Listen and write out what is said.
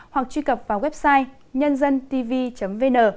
hoặc truy cập vào website nhânzantv vn